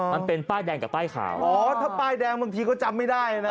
มันเป็นป้ายแดงกับป้ายขาวอ๋อถ้าป้ายแดงบางทีก็จำไม่ได้นะ